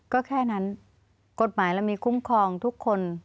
ก็แค่นั้นกฎหมายเรามีคุ้มครองทุกคน